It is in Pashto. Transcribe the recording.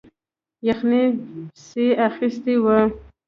یخنۍ پسې اخیستی وو.